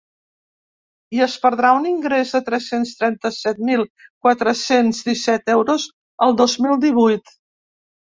I es perdrà un ingrés de tres-cents trenta-set mil quatre-cents disset euros el dos mil divuit.